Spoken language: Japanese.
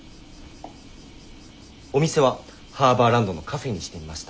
お店はハーバーランドのカフェにしてみました。